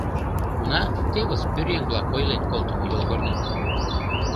Уна, тевыс пӧръеҥ-влак ойлен колтымо йолгорнет.